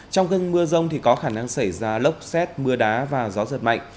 trong cơn mưa rông thì có khả năng xảy ra lốc xét mưa đá và gió giật mạnh